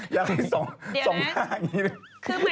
อยากให้สองหน้าอย่างนี้